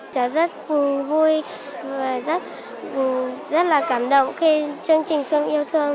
cháu rất vui và rất là cảm động khi chương trình xuân yêu thương